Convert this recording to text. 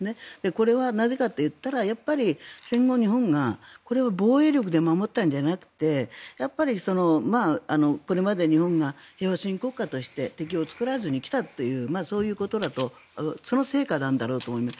これはなぜかといったら戦後、日本がこれを防衛力で守ってるんじゃなくてやっぱりこれまで日本が平和主義国家として敵を作らずにきたというそういうことだとその成果なんだろうと思います。